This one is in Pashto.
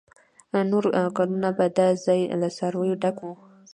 نور کلونه به دا ځای له څارویو ډک و.